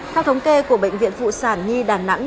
theo thống kê của bệnh viện phụ sản nhi đà nẵng